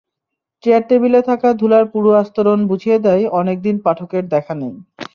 চেয়ার-টেবিলে থাকা ধুলার পুরু আস্তরণ বুঝিয়ে দেয়, অনেক দিন পাঠকের দেখা নেই।